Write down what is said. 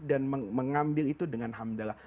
dan mengambil itu dengan hamdallah